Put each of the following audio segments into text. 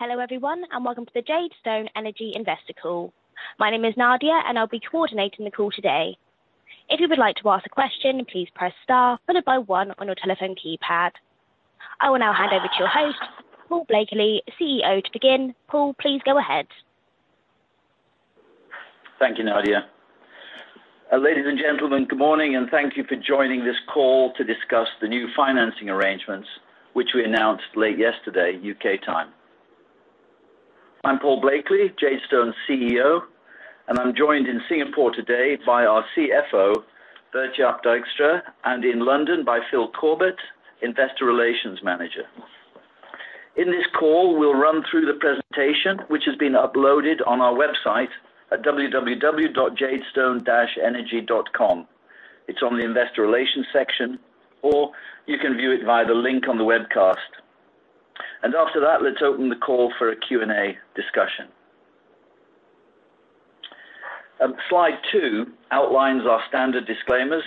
Hello, everyone, and welcome to the Jadestone Energy Investor Call. My name is Nadia, and I'll be coordinating the call today. If you would like to ask a question, please press star followed by one on your telephone keypad. I will now hand over to your host, Paul Blakeley, CEO, to begin. Paul, please go ahead. Thank you, Nadia. Ladies and gentlemen, good morning, and thank you for joining this call to discuss the new financing arrangements, which we announced late yesterday, U.K. time. I'm Paul Blakeley, Jadestone's CEO, and I'm joined in Singapore today by our CFO, Bert-Jaap Dijkstra, and in London by Phil Corbett, Investor Relations Manager. In this call, we'll run through the presentation, which has been uploaded on our website at www.jadestone-energy.com. It's on the Investor Relations section, or you can view it via the link on the webcast. After that, let's open the call for a Q&A discussion. Slide two outlines our standard disclaimers,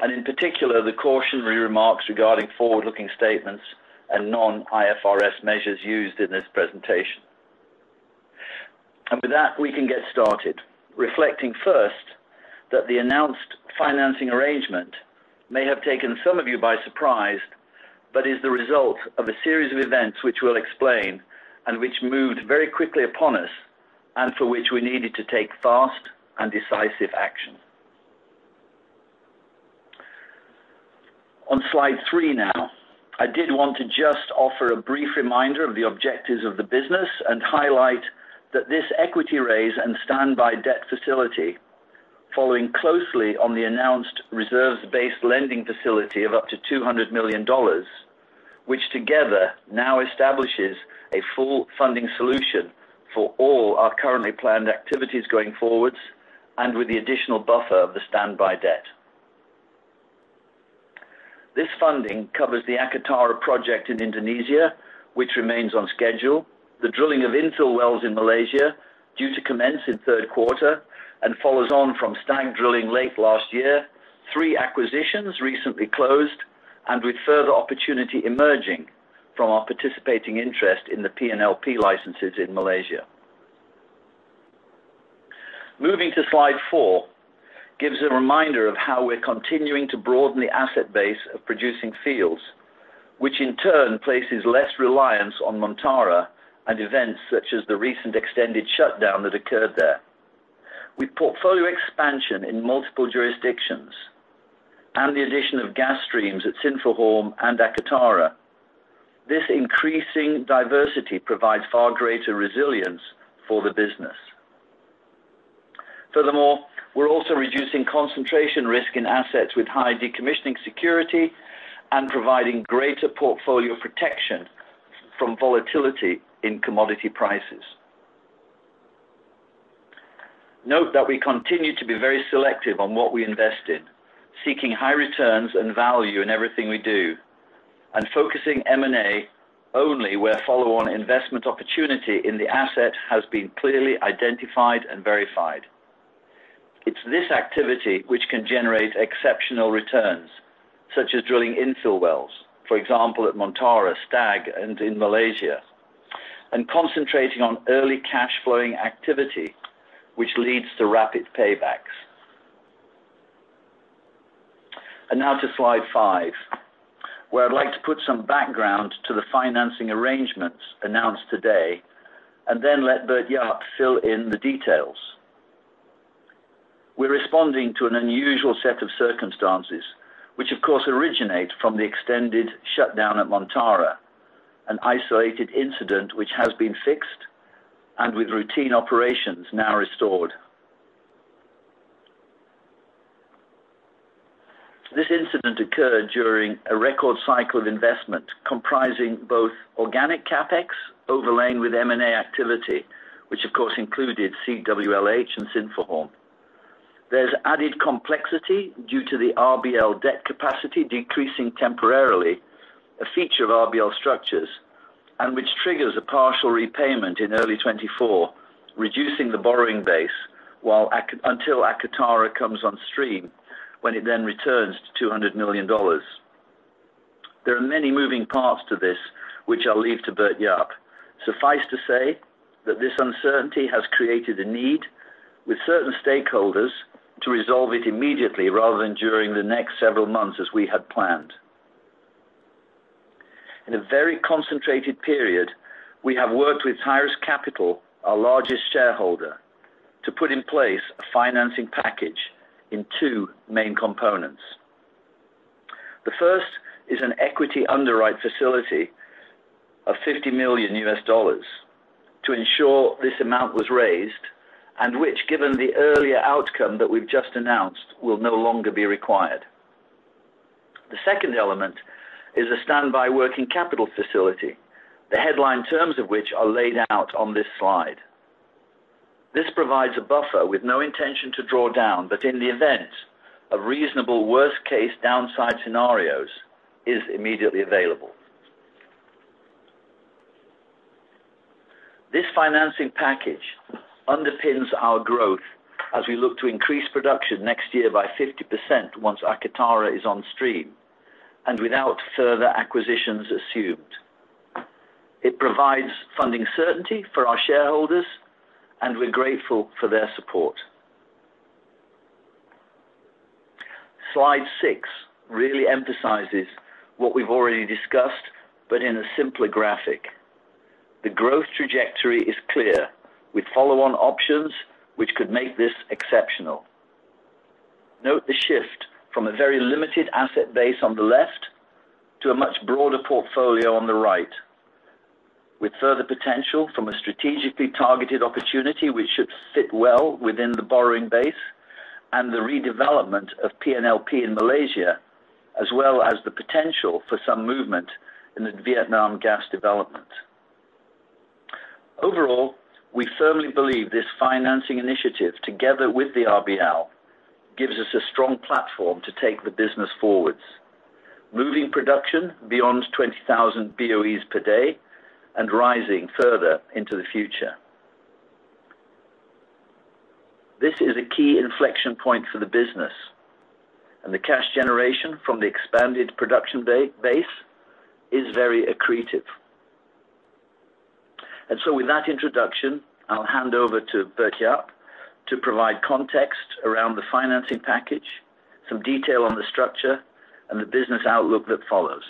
and in particular, the cautionary remarks regarding forward-looking statements and non-IFRS measures used in this presentation. With that, we can get started, reflecting first, that the announced financing arrangement may have taken some of you by surprise, but is the result of a series of events which we'll explain and which moved very quickly upon us and for which we needed to take fast and decisive action. On slide three now, I did want to just offer a brief reminder of the objectives of the business and highlight that this equity raise and standby debt facility, following closely on the announced reserves-based lending facility of up to $200 million, which together now establishes a full funding solution for all our currently planned activities going forwards and with the additional buffer of the standby debt. This funding covers the Akatara project in Indonesia, which remains on schedule, the drilling of infill wells in Malaysia, due to commence in Q3, and follows on from Stag drilling late last year, three acquisitions recently closed, and with further opportunity emerging from our participating interest in the PNLP licenses in Malaysia. Moving to slide fpur, gives a reminder of how we're continuing to broaden the asset base of producing fields, which in turn places less reliance on Montara and events such as the recent extended shutdown that occurred there. With portfolio expansion in multiple jurisdictions and the addition of gas streams at Sinphuhorm and Akatara, this increasing diversity provides far greater resilience for the business. Furthermore, we're also reducing concentration risk in assets with high decommissioning security and providing greater portfolio protection from volatility in commodity prices. Note that we continue to be very selective on what we invest in, seeking high returns and value in everything we do, and focusing M&A only where follow-on investment opportunity in the asset has been clearly identified and verified. It's this activity which can generate exceptional returns, such as drilling infill wells, for example, at Montara, Stag, and in Malaysia, and concentrating on early cash flowing activity, which leads to rapid paybacks. Now to slide five, where I'd like to put some background to the financing arrangements announced today and then let Bert-Jaap fill in the details. We're responding to an unusual set of circumstances, which, of course, originate from the extended shutdown at Montara, an isolated incident which has been fixed and with routine operations now restored. This incident occurred during a record cycle of investment, comprising both organic CapEx, overlain with M&A activity, which, of course, included CWLH and Sinphuhorm. There's added complexity due to the RBL debt capacity decreasing temporarily, a feature of RBL structures, and which triggers a partial repayment in early 2024, reducing the borrowing base, while until Akatara comes on stream, when it then returns to $200 million. There are many moving parts to this, which I'll leave to Bert-Jaap. Suffice to say, that this uncertainty has created a need with certain stakeholders to resolve it immediately rather than during the next several months, as we had planned. In a very concentrated period, we have worked with Tyrus Capital, our largest shareholder, to put in place a financing package in two main components. The first is an equity underwrite facility of $50 million to ensure this amount was raised and which, given the earlier outcome that we've just announced, will no longer be required. The second element is a standby working capital facility, the headline terms of which are laid out on this slide. This provides a buffer with no intention to draw down, but in the event, a reasonable worst-case downside scenarios is immediately available. This financing package underpins our growth as we look to increase production next year by 50% once Akatara is on stream. Without further acquisitions assumed, it provides funding certainty for our shareholders, and we're grateful for their support. Slide six really emphasizes what we've already discussed, but in a simpler graphic. The growth trajectory is clear, with follow-on options, which could make this exceptional. Note the shift from a very limited asset base on the left to a much broader portfolio on the right, with further potential from a strategically targeted opportunity, which should fit well within the borrowing base and the redevelopment of PNLP in Malaysia, as well as the potential for some movement in the Vietnam gas development. Overall, we firmly believe this financing initiative, together with the RBL, gives us a strong platform to take the business forwards, moving production beyond 20,000 BOEs per day and rising further into the future. This is a key inflection point for the business, and the cash generation from the expanded production base is very accretive. With that introduction, I'll hand over to Bert-Jaap to provide context around the financing package, some detail on the structure, and the business outlook that follows.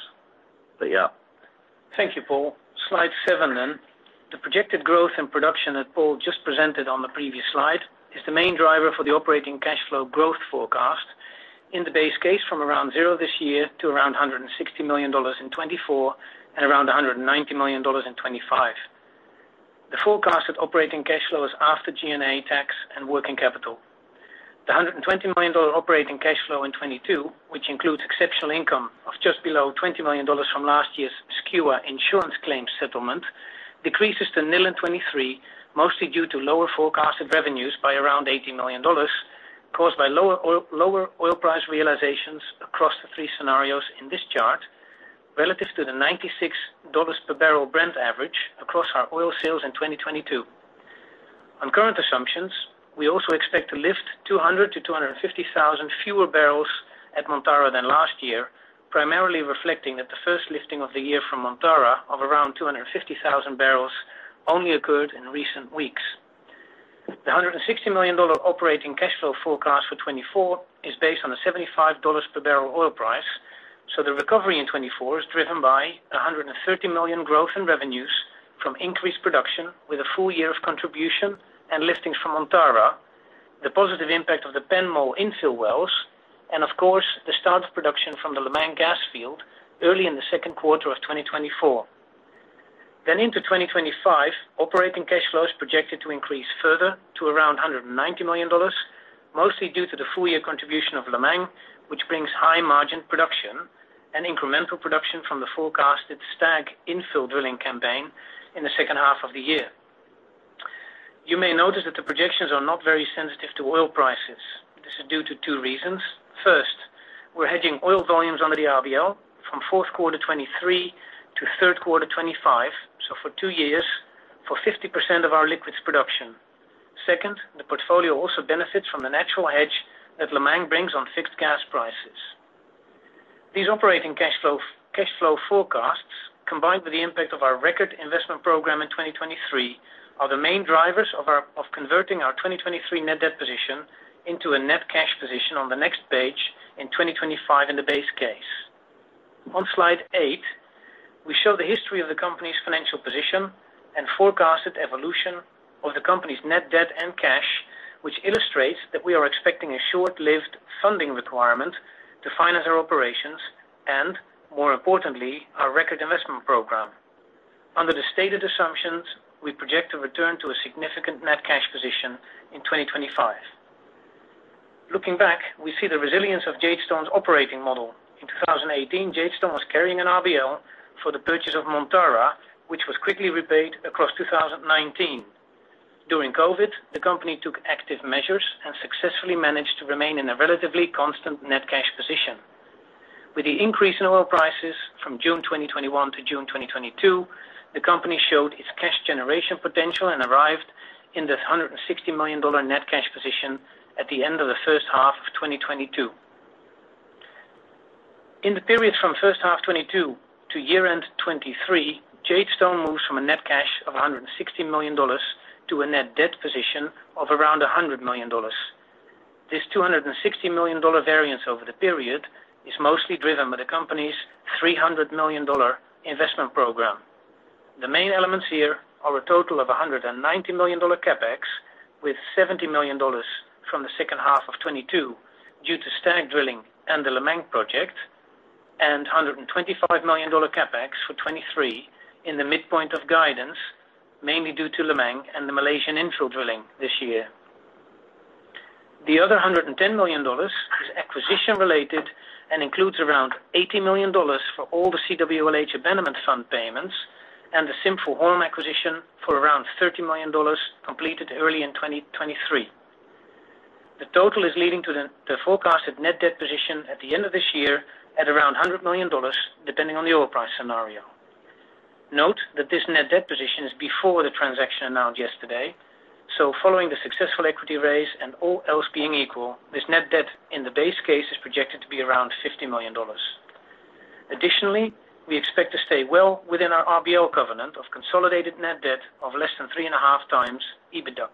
Bert-Jaap. Thank you, Paul. Slide 7. The projected growth in production that Paul just presented on the previous slide is the main driver for the operating cash flow growth forecast. In the base case, from around 0 this year to around $160 million in 2024, and around $190 million in 2025. The forecasted operating cash flow is after G&A tax and working capital. The $120 million operating cash flow in 2022, which includes exceptional income of just below $20 million from last year's skew insurance claim settlement, decreases to nil in 2023, mostly due to lower forecasted revenues by around $80 million, caused by lower oil, lower oil price realizations across the three scenarios in this chart, relative to the $96 per barrel Brent average across our oil sales in 2022. On current assumptions, we also expect to lift 200,000-250,000 fewer barrels at Montara than last year, primarily reflecting that the first lifting of the year from Montara of around 250,000 barrels only occurred in recent weeks. The $160 million operating cash flow forecast for 2024 is based on a $75 per barrel oil price, the recovery in 2024 is driven by a $130 million growth in revenues from increased production with a full year of contribution and listings from Montara, the positive impact of the Penara infill wells, and of course, the start of production from the Lemang gas field early in the Q2 of 2024. Into 2025, operating cash flow is projected to increase further to around $190 million, mostly due to the full year contribution of Lemang, which brings high-margin production and incremental production from the forecasted Stag infill drilling campaign in the second half of the year. You may notice that the projections are not very sensitive to oil prices. This is due to two reasons. First, we're hedging oil volumes under the RBL from Q4 2023 to Q3 2025, so for two years, for 50% of our liquids production. Second, the portfolio also benefits from the natural hedge that Lemang brings on fixed gas prices. These operating cash flow forecasts, combined with the impact of our record investment program in 2023, are the main drivers of converting our 2023 net debt position into a net cash position on the next page in 2025 in the base case. On Slide 8, we show the history of the company's financial position and forecasted evolution of the company's net debt and cash, which illustrates that we are expecting a short-lived funding requirement to finance our operations, and more importantly, our record investment program. Under the stated assumptions, we project a return to a significant net cash position in 2025. Looking back, we see the resilience of Jadestone's operating model. In 2018, Jade stone was carrying an RBL for the purchase of Montara, which was quickly repaid across 2019. During COVID, the company took active measures and successfully managed to remain in a relatively constant net cash position. With the increase in oil prices from June 2021 to June 2022, the company showed its cash generation potential and arrived in this $160 million net cash position at the end of the first half of 2022. In the period from first half 2022 to year-end 2023, Jadestone moves from a net cash of $160 million to a net debt position of around $100 million. This $260 million variance over the period is mostly driven by the company's $300 million investment program. The main elements here are a total of $190 million CapEx, with $70 million from the second half of 2022 due to stack drilling and the Lemang project, and $125 million CapEx for 2023 in the midpoint of guidance, mainly due to Lemang and the Malaysian infill drilling this year. The other $110 million is acquisition-related and includes around $80 million for all the CWLH abandonment fund payments and the Sinphuhorm acquisition for around $30 million, completed early in 2023. The total is leading to the forecasted net debt position at the end of this year at around $100 million, depending on the oil price scenario. Note that this net debt position is before the transaction announced yesterday. Following the successful equity raise and all else being equal, this net debt in the base case is projected to be around $50 million. Additionally, we expect to stay well within our RBL covenant of consolidated net debt of less than 3.5 times EBITDA.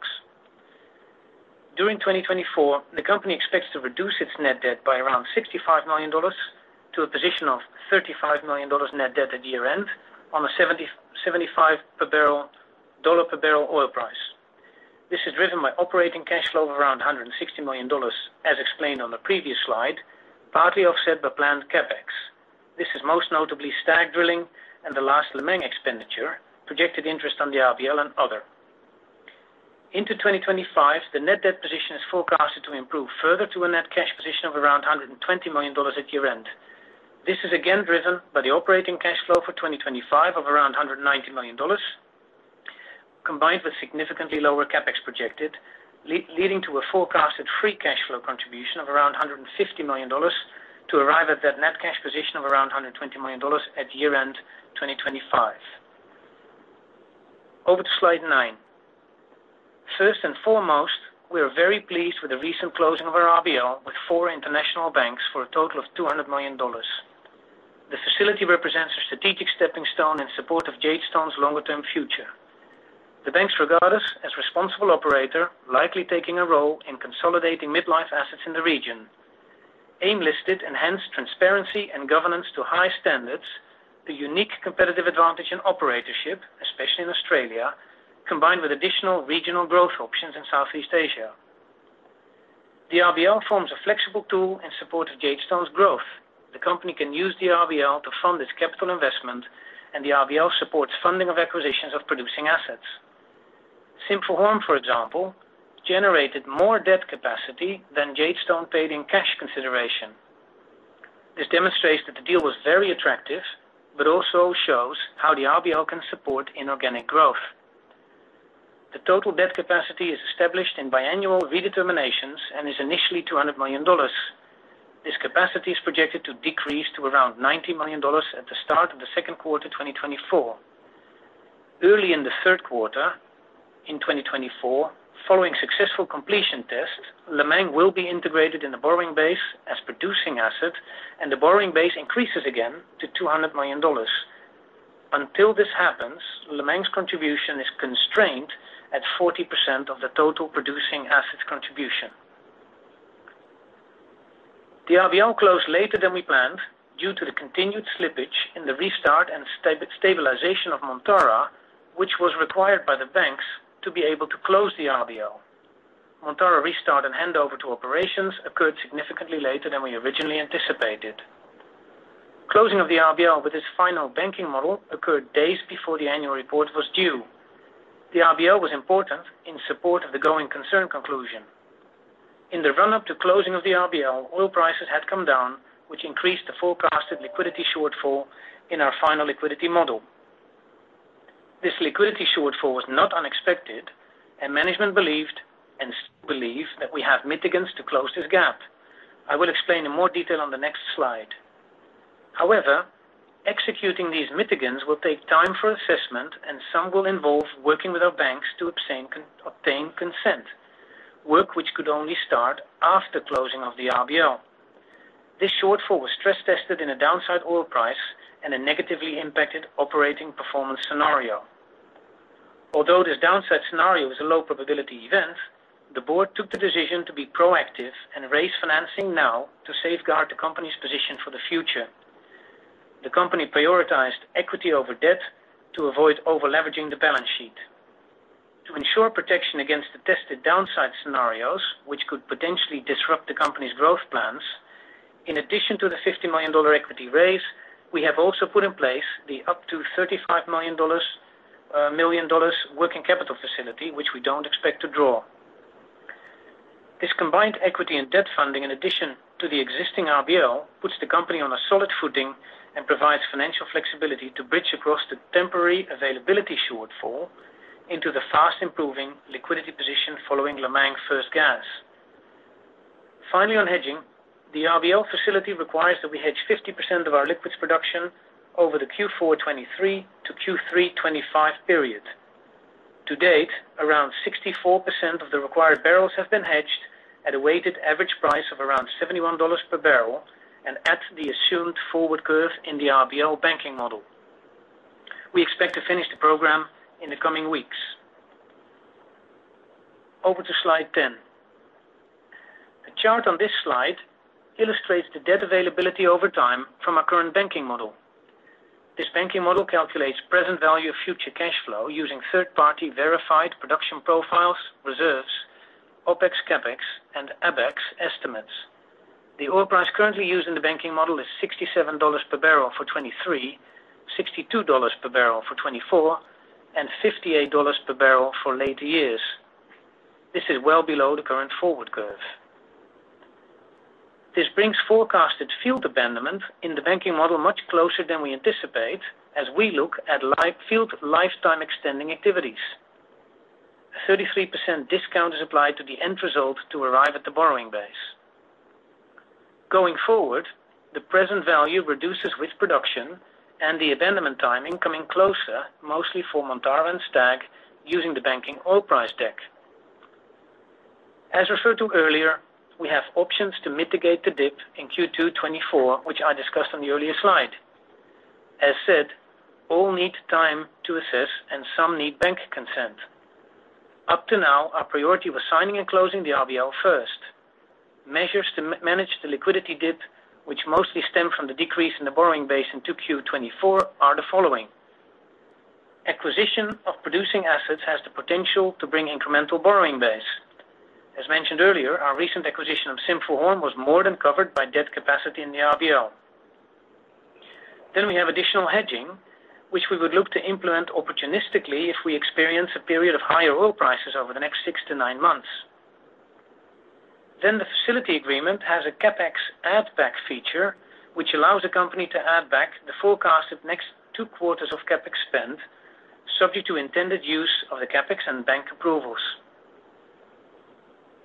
During 2024, the company expects to reduce its net debt by around $65 million, to a position of $35 million net debt at year-end, on a $70-$75 per barrel oil price. This is driven by operating cash flow of around $160 million, as explained on the previous slide, partly offset by planned CapEx. This is most notably Stag drilling and the last Lemang expenditure, projected interest on the RBL and other. Into 2025, the net debt position is forecasted to improve further to a net cash position of around $120 million at year-end. This is again driven by the operating cash flow for 2025 of around $190 million, combined with significantly lower CapEx projected, leading to a forecasted free cash flow contribution of around $150 million, to arrive at that net cash position of around $120 million at year-end 2025. Over to slide 9. First and foremost, we are very pleased with the recent closing of our RBL, with four international banks for a total of $200 million. The facility represents a strategic stepping stone in support of Jadestone's longer-term future. The banks regard us as responsible operator, likely taking a role in consolidating mid-life assets in the region. AIM listed enhanced transparency and governance to high standards, the unique competitive advantage in operatorship, especially in Australia, combined with additional regional growth options in Southeast Asia. The RBL forms a flexible tool in support of Jadestone's growth. The company can use the RBL to fund its capital investment, and the RBL supports funding of acquisitions of producing assets. Sinphuhorm, for example, generated more debt capacity than Jadestone paid in cash consideration. This demonstrates that the deal was very attractive, but also shows how the RBL can support inorganic growth. The total debt capacity is established in biannual redeterminations and is initially $200 million. This capacity is projected to decrease to around $90 million at the start of the Q2, 2024. Early in the Q3, in 2024, following successful completion test, Lemang will be integrated in the borrowing base as producing asset, and the borrowing base increases again to $200 million. Until this happens, Lemang's contribution is constrained at 40% of the total producing assets contribution. The RBL closed later than we planned, due to the continued slippage in the restart and stabilization of Montara, which was required by the banks to be able to close the RBL. Montara restart and handover to operations occurred significantly later than we originally anticipated. Closing of the RBL with this final banking model, occurred days before the annual report was due. The RBL was important in support of the going concern conclusion. In the run-up to closing of the RBL, oil prices had come down, which increased the forecasted liquidity shortfall in our final liquidity model. This liquidity shortfall was not unexpected, and management believed and still believe that we have mitigants to close this gap. I will explain in more detail on the next slide. However, executing these mitigants will take time for assessment, and some will involve working with our banks to obtain consent. Work, which could only start after closing of the RBL. This shortfall was stress tested in a downside oil price and a negatively impacted operating performance scenario. Although this downside scenario is a low probability event, the board took the decision to be proactive and raise financing now to safeguard the company's position for the future. The company prioritized equity over debt to avoid over-leveraging the balance sheet. To ensure protection against the tested downside scenarios, which could potentially disrupt the company's growth plans, in addition to the $50 million equity raise, we have also put in place the up to $35 million working capital facility, which we don't expect to draw. This combined equity and debt funding, in addition to the existing RBL, puts the company on a solid footing and provides financial flexibility to bridge across the temporary availability shortfall into the fast improving liquidity position following Lemang's first gas. Finally, on hedging, the RBL facility requires that we hedge 50% of our liquids production over the Q4 2023 to Q3 2025 period. To date, around 64% of the required barrels have been hedged at a weighted average price of around $71 per barrel, and at the assumed forward curve in the RBL banking model. We expect to finish the program in the coming weeks. Over to slide 10. The chart on this slide illustrates the debt availability over time from our current banking model. This banking model calculates present value of future cash flow using third-party verified production profiles, reserves, OpEx, CapEx, and ABEX estimates. The oil price currently used in the banking model is $67 per barrel for 2023, $62 per barrel for 2024, and $58 per barrel for later years. This is well below the current forward curve. This brings forecasted field abandonment in the banking model, much closer than we anticipate, as we look at life- field lifetime extending activities. A 33% discount is applied to the end result to arrive at the borrowing base. Going forward, the present value reduces with production and the abandonment timing coming closer, mostly for Montara and Stag, using the banking oil price deck. As referred to earlier, we have options to mitigate the dip in Q2 2024, which I discussed on the earlier slide. As said, all need time to assess, and some need bank consent. Up to now, our priority was signing and closing the RBL first. Measures to manage the liquidity dip, which mostly stem from the decrease in the borrowing base in 2Q 2024, are the following: acquisition of producing assets has the potential to bring incremental borrowing base. As mentioned earlier, our recent acquisition of Sinphuhorm was more than covered by debt capacity in the RBL. We have additional hedging, which we would look to implement opportunistically if we experience a period of higher oil prices over the next six to nine months. The facility agreement has a CapEx add-back feature, which allows the company to add back the forecasted next two quarters of CapEx spend, subject to intended use of the CapEx and bank approvals.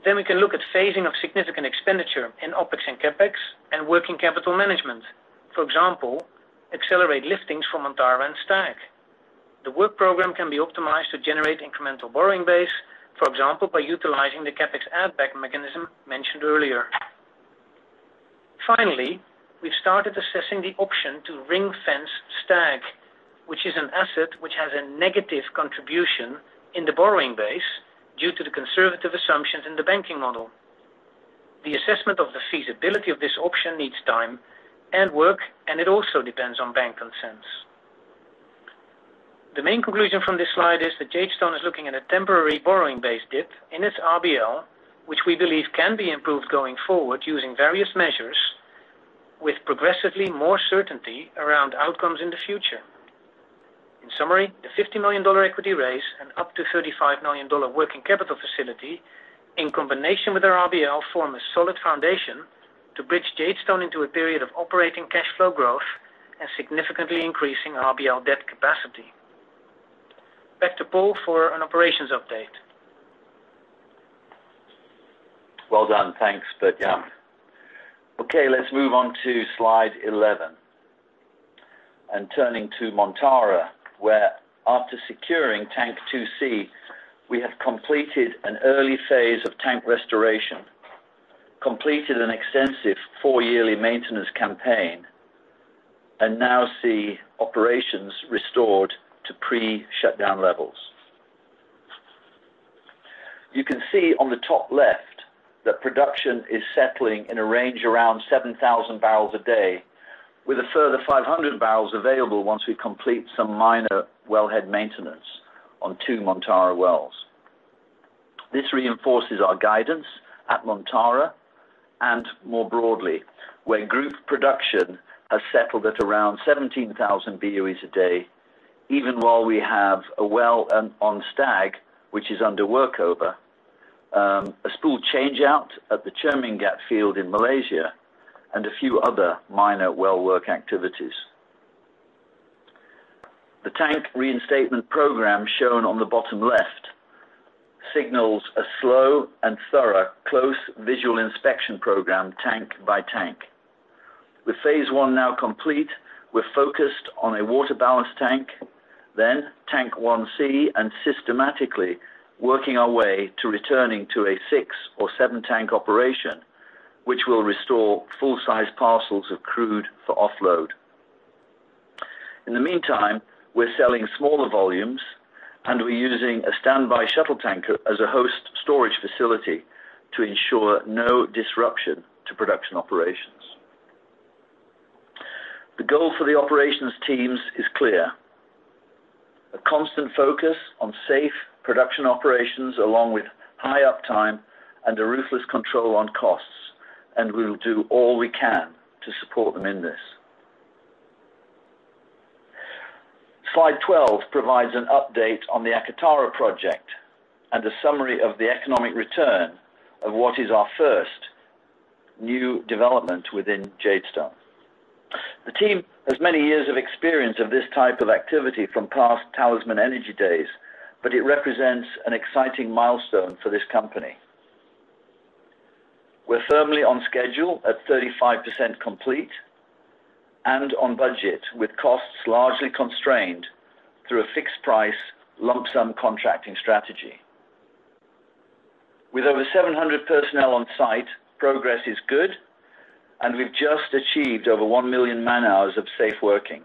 We can look at phasing of significant expenditure in OpEx and CapEx and working capital management. For example, accelerate listings from Montara and Stag. The work program can be optimized to generate incremental borrowing base, for example, by utilizing the CapEx add-back mechanism mentioned earlier. Finally, we've started assessing the option to ring-fence Stag, which is an asset which has a negative contribution in the borrowing base due to the conservative assumptions in the banking model. The assessment of the feasibility of this option needs time and work, and it also depends on bank consents. The main conclusion from this slide is that Jadestone is looking at a temporary borrowing base dip in its RBL, which we believe can be improved going forward, using various measures with progressively more certainty around outcomes in the future. In summary, the $50 million equity raise and up to $35 million working capital facility, in combination with our RBL, form a solid foundation to bridge Jadestone into a period of operating cash flow growth and significantly increasing RBL debt capacity. Back to Paul for an operations update. Well done. Thanks, Bert-Jaap. Okay, let's move on to slide 11. Turning to Montara, where after securing tank 2C, we have completed an early phase of tank restoration, completed an extensive four-yearly maintenance campaign, and now see operations restored to pre-shutdown levels. You can see on the top left, that production is settling in a range around 7,000 barrels a day, with a further 500 barrels available once we complete some minor wellhead maintenance on two Montara wells. This reinforces our guidance at Montara and more broadly, where group production has settled at around 17,000 BOEs a day, even while we have a well on Stag, which is under workover, a spool changeout at the Cermerlang field in Malaysia, and a few other minor well work activities. The tank reinstatement program, shown on the bottom left, signals a slow and thorough close visual inspection program, tank by tank. With phase one now complete, we're focused on a water balance tank, then tank 1C, and systematically working our way to returning to a six or seven-tank operation, which will restore full-size parcels of crude for offload. In the meantime, we're selling smaller volumes, and we're using a standby shuttle tanker as a host storage facility to ensure no disruption to production operations. The goal for the operations teams is clear: a constant focus on safe production operations, along with high uptime and a ruthless control on costs. We will do all we can to support them in this. Slide 12 provides an update on the Akatara project and a summary of the economic return of what is our first new development within Jadestone. The team has many years of experience of this type of activity from past Talisman Energy days. It represents an exciting milestone for this company. We're firmly on schedule at 35% complete and on budget, with costs largely constrained through a fixed price, lump sum contracting strategy. With over 700 personnel on site, progress is good, and we've just achieved over 1 million man-hours of safe working.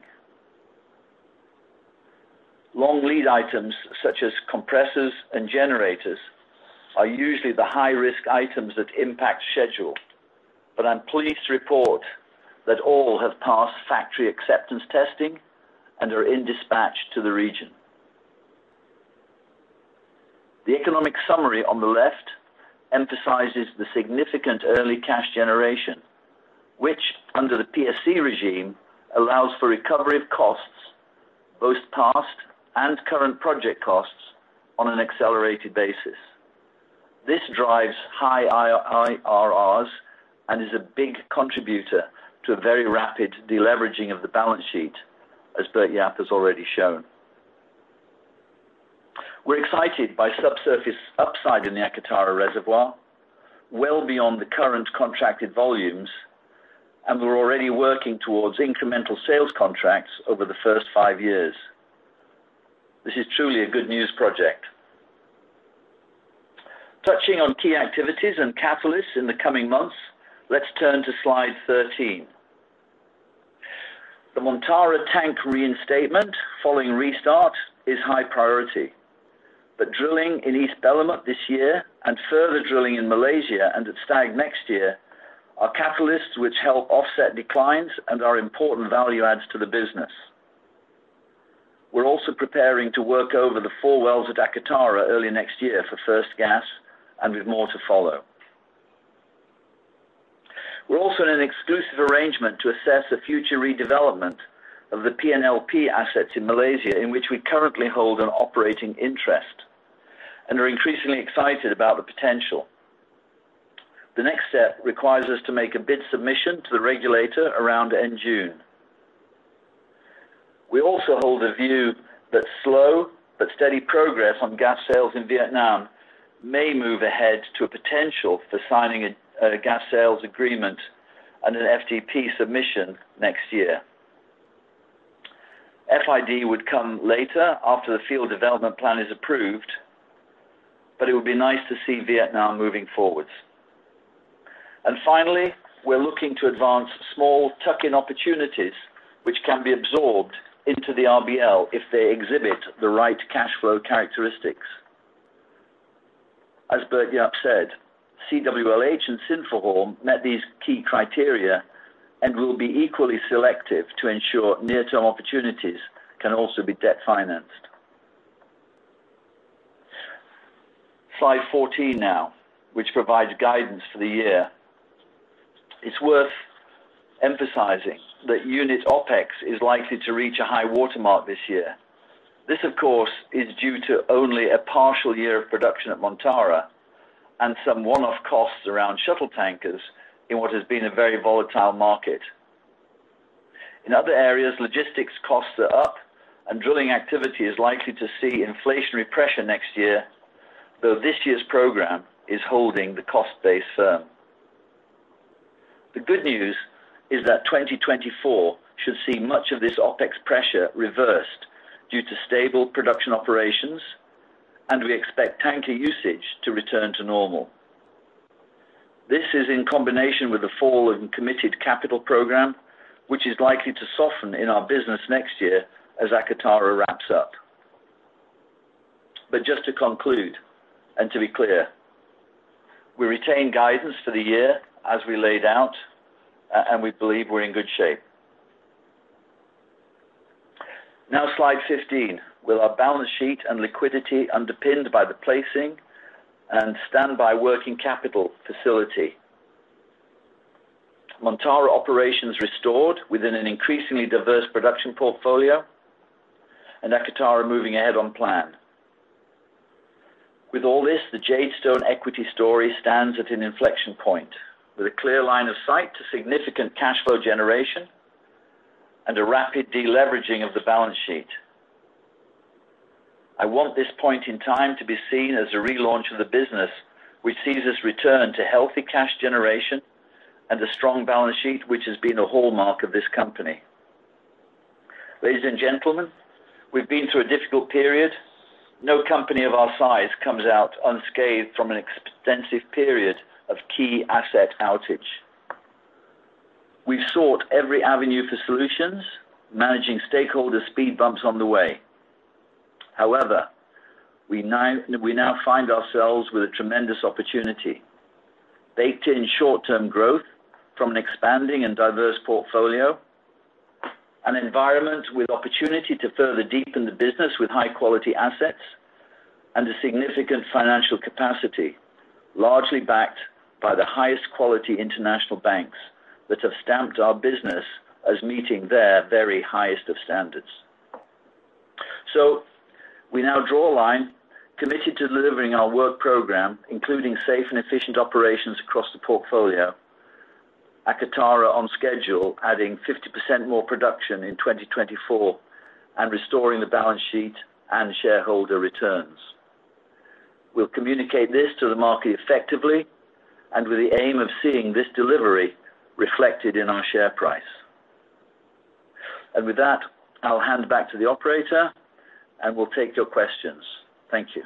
Long lead items, such as compressors and generators, are usually the high-risk items that impact schedule, but I'm pleased to report that all have passed factory acceptance testing and are in dispatch to the region. The economic summary on the left emphasizes the significant early cash generation, which, under the PSC regime, allows for recovery of costs, both past and current project costs, on an accelerated basis. This drives high IRRs and is a big contributor to a very rapid deleveraging of the balance sheet, as Bert-Jaap has already shown. We're excited by subsurface upside in the Akatara reservoir, well beyond the current contracted volumes, and we're already working towards incremental sales contracts over the first five years. This is truly a good news project. Touching on key activities and catalysts in the coming months, let's turn to slide 13. The Montara tank reinstatement following restart is high priority, but drilling in East Belumut this year and further drilling in Malaysia and at Stag next year are catalysts which help offset declines and are important value adds to the business. We're also preparing to work over the four wells at Akatara early next year for first gas, and with more to follow. We're also in an exclusive arrangement to assess the future redevelopment of the PNLP assets in Malaysia, in which we currently hold an operating interest, and are increasingly excited about the potential. The next step requires us to make a bid submission to the regulator around end June. We also hold a view that slow but steady progress on gas sales in Vietnam may move ahead to a potential for signing a gas sales agreement and an FDP submission next year. FID would come later after the Field Development Plan is approved, but it would be nice to see Vietnam moving forwards. Finally, we're looking to advance small tuck-in opportunities, which can be absorbed into the RBL if they exhibit the right cash flow characteristics. As Bert-Jaap said, CWLH and Sinphuhorm met these key criteria and will be equally selective to ensure near-term opportunities can also be debt-financed. Slide 14 now, which provides guidance for the year. It's worth emphasizing that unit OpEx is likely to reach a high watermark this year. This, of course, is due to only a partial year of production at Montara and some one-off costs around shuttle tankers in what has been a very volatile market. In other areas, logistics costs are up, and drilling activity is likely to see inflationary pressure next year, though this year's program is holding the cost base firm. The good news is that 2024 should see much of this OpEx pressure reversed due to stable production operations, and we expect tanker usage to return to normal. This is in combination with a fall in committed capital program, which is likely to soften in our business next year as Akatara wraps up. Just to conclude, and to be clear, we retain guidance for the year as we laid out, and we believe we're in good shape. Slide 15, with our balance sheet and liquidity underpinned by the placing and standby working capital facility. Montara operations restored within an increasingly diverse production portfolio, and Akatara moving ahead on plan. With all this, the Jadestone equity story stands at an inflection point, with a clear line of sight to significant cash flow generation and a rapid deleveraging of the balance sheet. I want this point in time to be seen as a relaunch of the business, which sees us return to healthy cash generation and a strong balance sheet, which has been a hallmark of this company. Ladies and gentlemen, we've been through a difficult period. No company of our size comes out unscathed from an extensive period of key asset outage. We've sought every avenue for solutions, managing stakeholder speed bumps on the way. However, we now find ourselves with a tremendous opportunity, baked in short-term growth from an expanding and diverse portfolio, an environment with opportunity to further deepen the business with high-quality assets, and a significant financial capacity, largely backed by the highest quality international banks that have stamped our business as meeting their very highest of standards. We now draw a line, committed to delivering our work program, including safe and efficient operations across the portfolio, Akatara on schedule, adding 50% more production in 2024, and restoring the balance sheet and shareholder returns. We'll communicate this to the market effectively and with the aim of seeing this delivery reflected in our share price. With that, I'll hand back to the operator, and we'll take your questions. Thank you.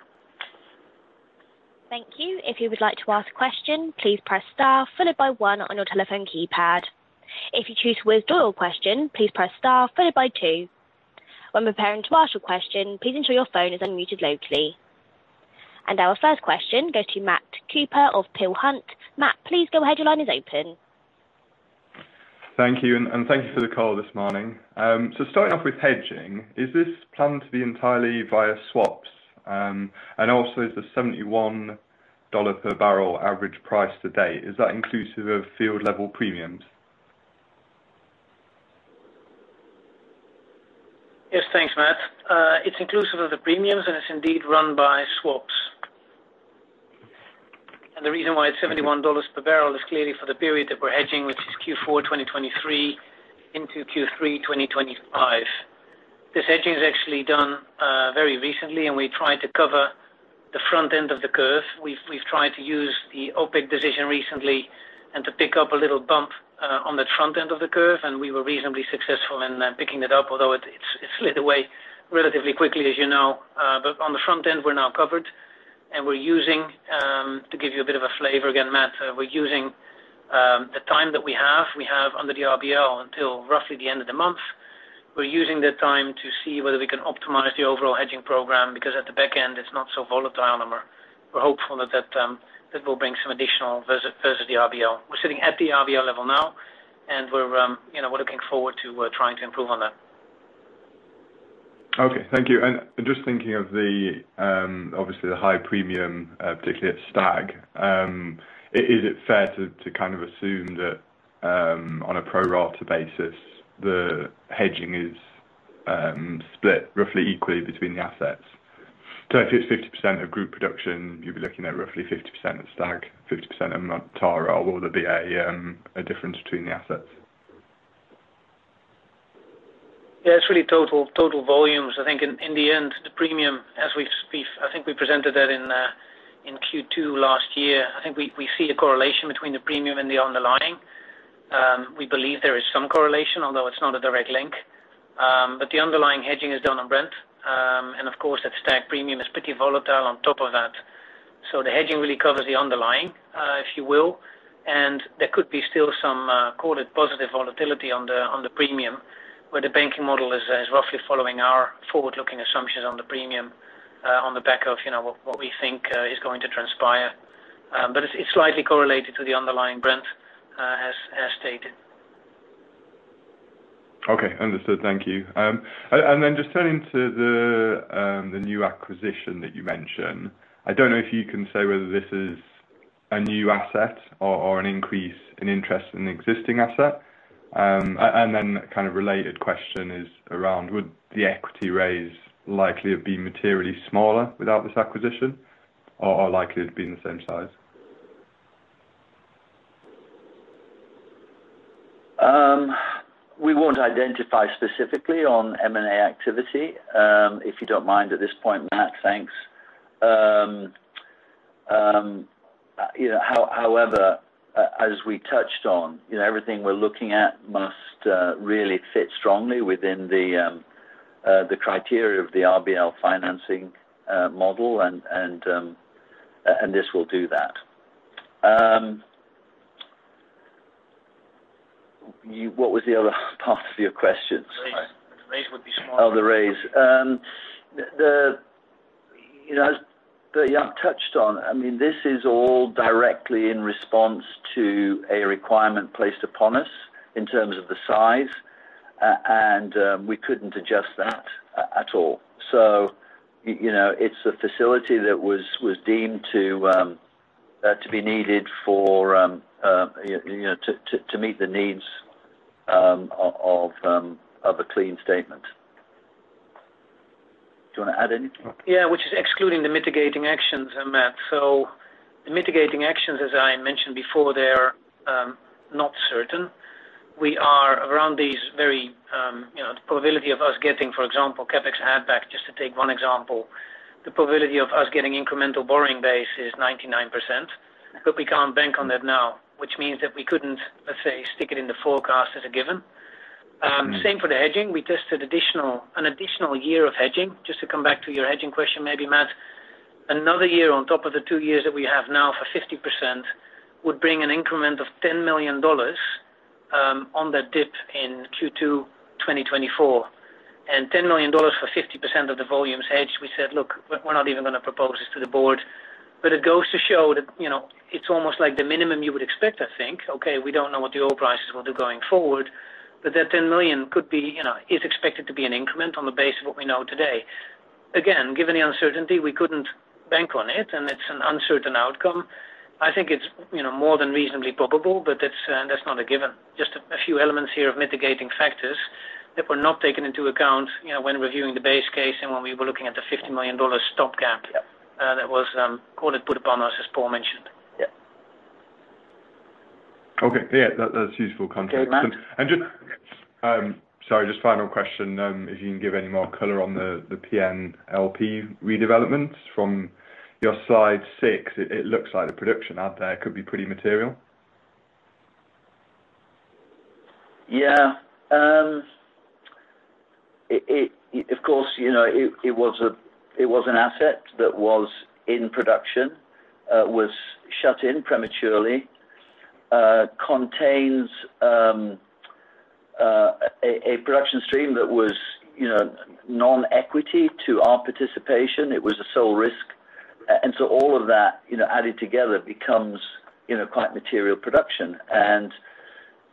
Thank you. If you would like to ask a question, please press star followed by one on your telephone keypad. If you choose to withdraw your question, please press star followed by two. When preparing to ask your question, please ensure your phone is unmuted locally. Our first question goes to Matt Cooper of Peel Hunt. Matt, please go ahead. Your line is open. Thank you, and thank you for the call this morning. Starting off with hedging, is this planned to be entirely via swaps? Also, is the $71 per barrel average price to date, is that inclusive of field-level premiums? Yes, thanks, Matt. It's inclusive of the premiums. It's indeed run by swaps. ...The reason why it's $71 per barrel is clearly for the period that we're hedging, which is Q4 2023 into Q3 2025. This hedging is actually done very recently, and we tried to cover the front end of the curve. We've tried to use the OPEC decision recently and to pick up a little bump on the front end of the curve, and we were reasonably successful in picking it up, although it slid away relatively quickly, as you know. On the front end, we're now covered, and we're using, to give you a bit of a flavor, again, Matt, we're using, the time that we have. We have under the RBL until roughly the end of the month. We're using that time to see whether we can optimize the overall hedging program, because at the back end, it's not so volatile, and we're hopeful that will bring some additional versus the RBL. We're sitting at the RBL level now, and we're, you know, we're looking forward to trying to improve on that. Okay, thank you. Just thinking of the, obviously, the high premium, particularly at Stag, is it fair to kind of assume that on a pro rata basis, the hedging is split roughly equally between the assets? So if it's 50% of group production, you'd be looking at roughly 50% of Stag, 50% of Montara, or will there be a difference between the assets? Yeah, it's really total volumes. I think in the end, the premium, I think we presented that in Q2 last year. I think we see a correlation between the premium and the underlying. We believe there is some correlation, although it's not a direct link. The underlying hedging is done on Brent, and of course, that Stag premium is pretty volatile on top of that. The hedging really covers the underlying, if you will, and there could be still some, call it, positive volatility on the premium, where the banking model is roughly following our forward-looking assumptions on the premium, on the back of, you know, what we think is going to transpire. It's slightly correlated to the underlying Brent, as stated. Okay, understood. Thank you. Just turning to the new acquisition that you mentioned, I don't know if you can say whether this is a new asset or an increase in interest in the existing asset. Kind of related question is around, would the equity raise likely have been materially smaller without this acquisition, or likely to have been the same size? We won't identify specifically on M&A activity, if you don't mind at this point, Matt, thanks. You know, however, as we touched on, you know, everything we're looking at must really fit strongly within the criteria of the RBL financing model, and this will do that. What was the other part of your question? Raise. Raise would be small. Oh, the raise. You know, as Bert-Jaap touched on, I mean, this is all directly in response to a requirement placed upon us in terms of the size, and we couldn't adjust that at all. You know, it's a facility that was deemed to be needed for, you know, to meet the needs, of a clean statement. Do you wanna add anything? Which is excluding the mitigating actions, Matt. The mitigating actions, as I mentioned before, they're not certain. We are around these very, you know, the probability of us getting, for example, CapEx add back, just to take one example. The probability of us getting incremental borrowing base is 99%, we can't bank on that now, which means that we couldn't, let's say, stick it in the forecast as a given. Same for the hedging. We tested an additional year of hedging, just to come back to your hedging question, maybe, Matt. Another year on top of the two years that we have now for 50% would bring an increment of $10 million on that dip in Q2 2024, and $10 million for 50% of the volumes hedged. We said: Look, we're not even gonna propose this to the board. It goes to show that, you know, it's almost like the minimum you would expect, I think. Okay, we don't know what the oil prices will do going forward, but that $10 million could be, you know, is expected to be an increment on the base of what we know today. Again, given the uncertainty, we couldn't bank on it, and it's an uncertain outcome. I think it's, you know, more than reasonably probable, but that's not a given. Just a few elements here of mitigating factors that were not taken into account, you know, when reviewing the base case and when we were looking at the $50 million stop gap. Yep. That was called and put upon us, as Paul mentioned. Yeah. Okay. Yeah, that's useful context. Okay, Matt? Just, Sorry, just final question, if you can give any more color on the PNLP redevelopment from your slide six. It looks like the production out there could be pretty material. Yeah. Of course, you know, it was an asset that was in production, was shut in prematurely, contains a production stream that was, you know, non-equity to our participation. It was a sole risk. All of that, you know, added together, becomes, you know, quite material production.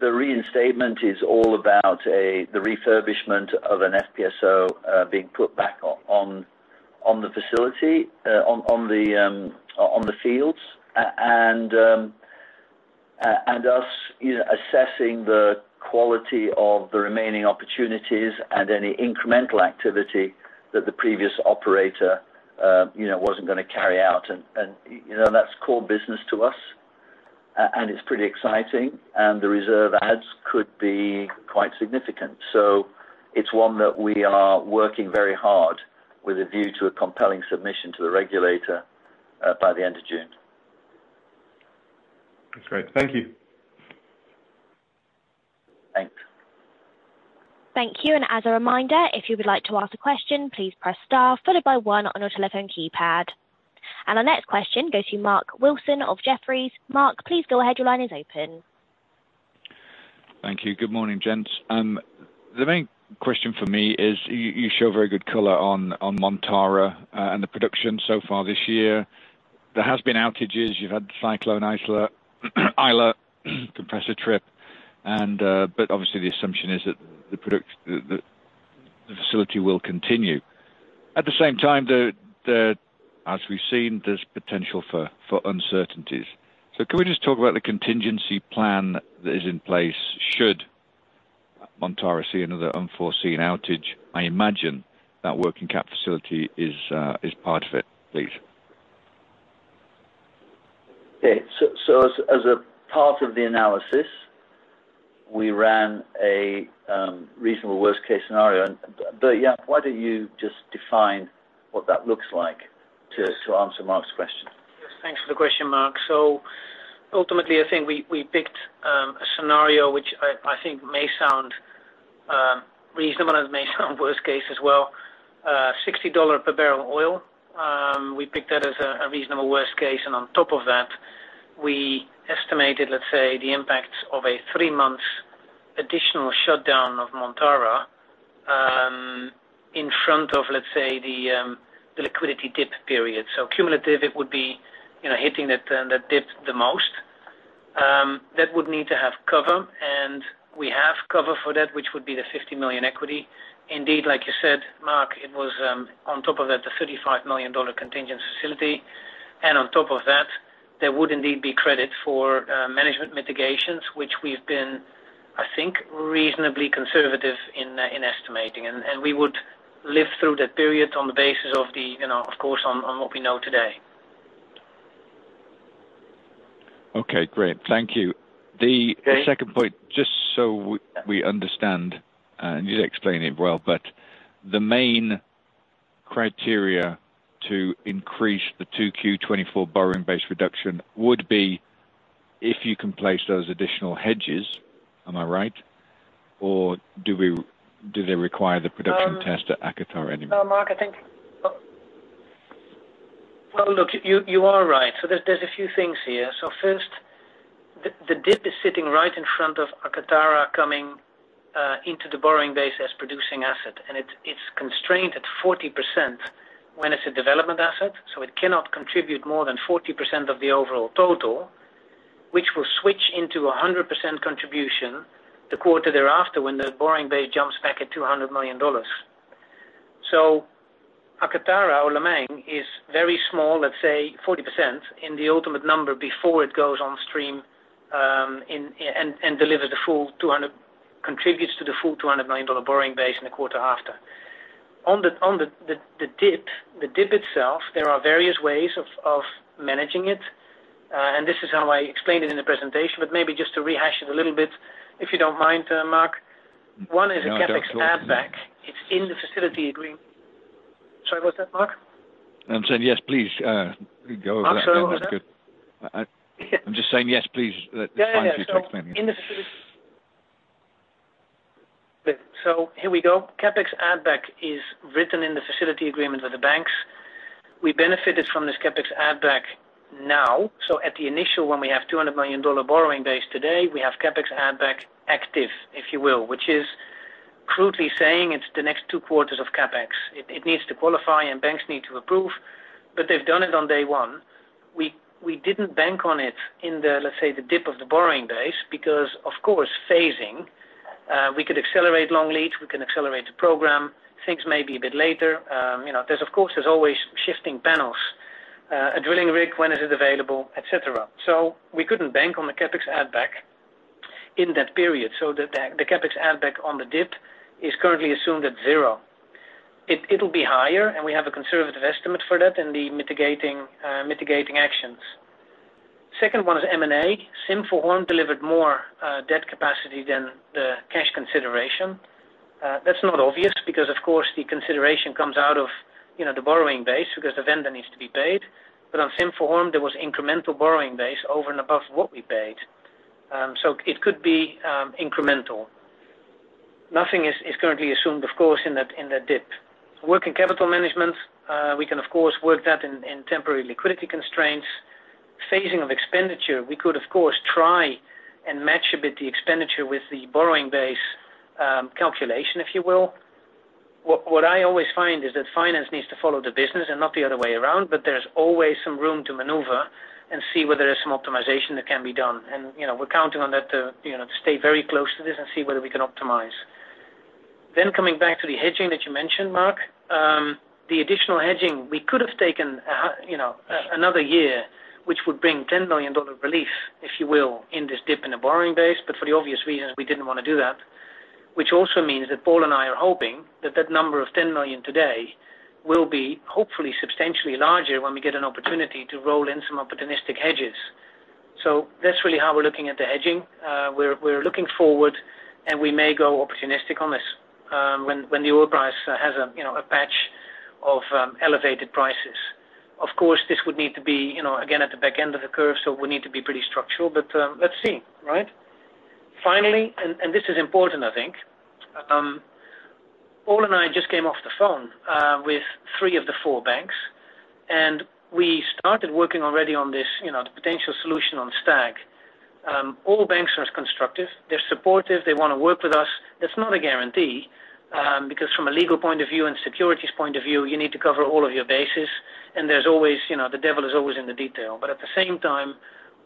The reinstatement is all about the refurbishment of an FPSO, being put back on the facility, on the fields. Us, you know, assessing the quality of the remaining opportunities and any incremental activity that the previous operator, you know, wasn't going to carry out. You know, that's core business to us, and it's pretty exciting, and the reserve adds could be quite significant. It's one that we are working very hard with a view to a compelling submission to the regulator, by the end of June. That's great. Thank you. Thanks. Thank you. As a reminder, if you would like to ask a question, please press star followed by one on your telephone keypad. Our next question goes to Mark Wilson of Jefferies. Mark, please go ahead. Your line is open. Thank you. Good morning, gents. The main question for me is, You show very good color on Montara and the production so far this year. There has been outages. You've had Cyclone Ilsa, compressor trip, and... Obviously, the assumption is that the facility will continue. At the same time, the, as we've seen, there's potential for uncertainties. Can we just talk about the contingency plan that is in place, should Montara see another unforeseen outage? I imagine that working cap facility is part of it, please. Okay. As a part of the analysis, we ran a reasonable worst-case scenario. Yeah, why don't you just define what that looks like to answer Mark's question? Yes, thanks for the question, Mark. Ultimately, I think we picked a scenario which I think may sound reasonable and may sound worst case as well. $60 per barrel oil, we picked that as a reasonable worst case, and on top of that, we estimated, let's say, the impact of a 3-month additional shutdown of Montara, in front of, let's say, the liquidity dip period. Cumulative, it would be, you know, hitting that dip the most. That would need to have cover, and we have cover for that, which would be the $50 million equity. Indeed, like you said, Mark, it was on top of that, the $35 million contingent facility. On top of that, there would indeed be credit for management mitigations, which we've been, I think, reasonably conservative in estimating. We would live through that period on the basis of the, you know, of course, on what we know today. Okay, great. Thank you. Okay. The second point, just so we understand, you explained it well, but the main criteria to increase the 2Q 2024 borrowing base reduction would be if you can place those additional hedges. Am I right? Or do they require the production- No... test at Akatara anyway? No, Mark, Well, look, you are right. There's a few things here. First, the dip is sitting right in front of Akatara coming into the borrowing base as producing asset, and it's constrained at 40% when it's a development asset, so it cannot contribute more than 40% of the overall total, which will switch into a 100% contribution the quarter thereafter, when the borrowing base jumps back at $200 million. Akatara or Lemang is very small, let's say, 40%, in the ultimate number before it goes on stream, in, and, contributes to the full $200 million borrowing base in the quarter after. On the dip itself, there are various ways of managing it, and this is how I explained it in the presentation, but maybe just to rehash it a little bit, if you don't mind, Mark. Yeah, of course. One is a CapEx add back. It's in the facility agreement. Sorry, what's that, Mark? I'm saying yes, please, go over that. Mark, sorry, what was that? That's good. I'm just saying yes, please. Yeah, yeah. It's fine for you to explain. In the facility... Here we go. CapEx add back is written in the facility agreement with the banks. We benefited from this CapEx add back now. At the initial, when we have $200 million borrowing base today, we have CapEx add back active, if you will, which is crudely saying it's the next two quarters of CapEx. It needs to qualify, and banks need to approve, but they've done it on day one. We didn't bank on it in the, let's say, the dip of the borrowing base because, of course, phasing, we could accelerate long leads, we can accelerate the program, things may be a bit later. You know, there's, of course, there's always shifting panels, a drilling rig, when is it available, et cetera. We couldn't bank on the CapEx add back in that period. The CapEx add back on the dip is currently assumed at 0. It'll be higher, and we have a conservative estimate for that in the mitigating actions. Second one is M&A. Sinphuhorm delivered more debt capacity than the cash consideration. That's not obvious because, of course, the consideration comes out of, you know, the borrowing base because the vendor needs to be paid. On Sinphuhorm, there was incremental borrowing base over and above what we paid. So it could be incremental. Nothing is currently assumed, of course, in that dip. Working capital management, we can of course work that in temporary liquidity constraints. Phasing of expenditure, we could of course try and match a bit the expenditure with the borrowing base calculation, if you will. What I always find is that finance needs to follow the business and not the other way around, there's always some room to maneuver and see whether there's some optimization that can be done. You know, we're counting on that to, you know, stay very close to this and see whether we can optimize. Coming back to the hedging that you mentioned, Mark, the additional hedging, we could have taken a, you know, another year, which would bring $10 million relief, if you will, in this dip in the borrowing base. For the obvious reasons, we didn't want to do that. Which also means that Paul and I are hoping that number of $10 million today will be hopefully substantially larger when we get an opportunity to roll in some opportunistic hedges. That's really how we're looking at the hedging. We're looking forward, we may go opportunistic on this, when the oil price has a, you know, a patch of elevated prices. Of course, this would need to be, you know, again, at the back end of the curve, we need to be pretty structural, let's see, right? Finally, this is important, I think. Paul and I just came off the phone with three of the four banks, we started working already on this, you know, the potential solution on Stag. All banks are constructive. They're supportive. They wanna work with us. That's not a guarantee, from a legal point of view and securities point of view, you need to cover all of your bases, there's always, you know, the devil is always in the detail. At the same time,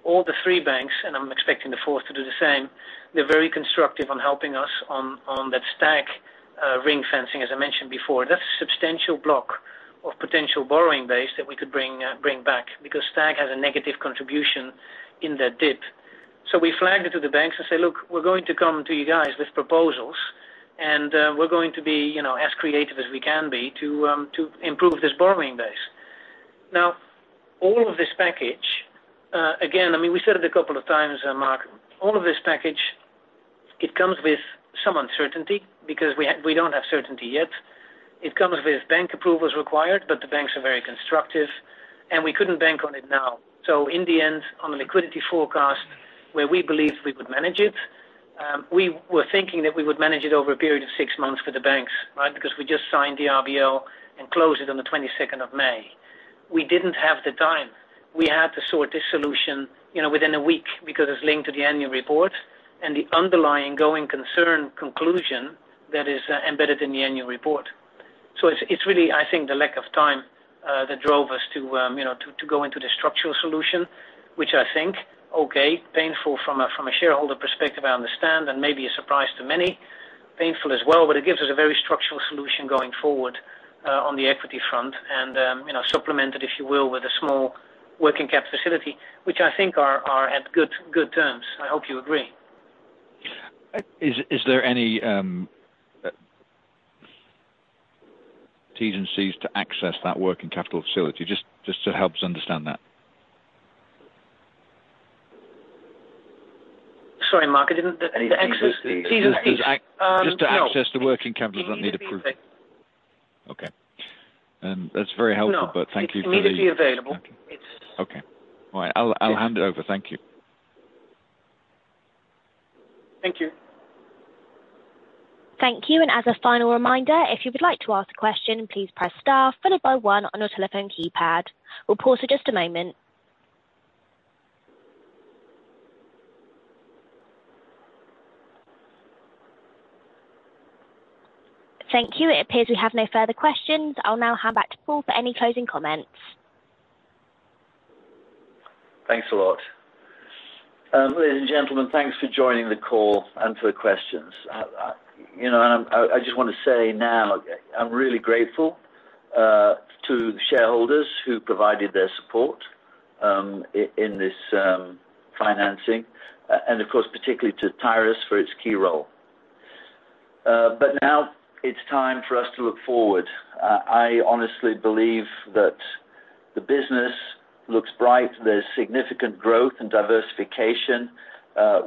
all the three banks, and I'm expecting the fourth to do the same, they're very constructive on helping us on that Stag ring fencing, as I mentioned before. That's a substantial block of potential borrowing base that we could bring back, because Stag has a negative contribution in that dip. We flagged it to the banks and say, "Look, we're going to come to you guys with proposals, and we're going to be, you know, as creative as we can be to improve this borrowing base." All of this package, again, I mean, we said it a couple of times, Mark. All of this package, it comes with some uncertainty because we don't have certainty yet. It comes with bank approvals required, but the banks are very constructive, and we couldn't bank on it now. In the end, on the liquidity forecast where we believed we could manage it, we were thinking that we would manage it over a period of six months for the banks, right? Because we just signed the RBL and closed it on the 22nd of May. We didn't have the time. We had to sort this solution, you know, within a week, because it's linked to the annual report and the underlying going concern conclusion that is embedded in the annual report. It's really, I think, the lack of time that drove us to go into the structural solution, which I think, okay, painful from a shareholder perspective, I understand, and maybe a surprise to many, painful as well, but it gives us a very structural solution going forward on the equity front and supplemented, if you will, with a small working capital facility, which I think are at good terms. I hope you agree. Is there any Ts and Cs to access that working capital facility? Just to help us understand that. Sorry, Mark. The access. Any Ts and Cs. To access the working capital, does that need approval? Okay. That's very helpful. No. Thank you for. It's immediately available. Okay. All right. I'll hand it over. Thank you. Thank you. Thank you. As a final reminder, if you would like to ask a question, please press star followed by one on your telephone keypad. We'll pause for just a moment. Thank you. It appears we have no further questions. I'll now hand back to Paul for any closing comments. Thanks a lot. Ladies and gentlemen, thanks for joining the call and for the questions. You know, I just want to say now, I'm really grateful to the shareholders who provided their support in this financing, and of course, particularly to Tyrus for its key role. Now it's time for us to look forward. I honestly believe that the business looks bright. There's significant growth and diversification.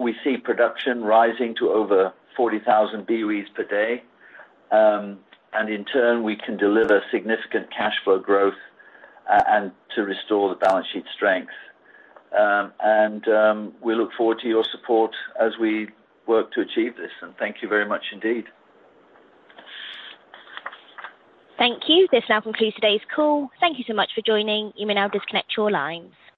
We see production rising to over 40,000 BOEs per day. In turn, we can deliver significant cash flow growth and to restore the balance sheet strength. We look forward to your support as we work to achieve this, and thank you very much indeed. Thank you. This now concludes today's call. Thank you so much for joining. You may now disconnect your lines.